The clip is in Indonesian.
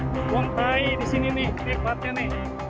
hai bongkai disini nih ini